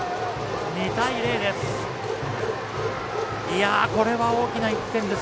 ２対０です。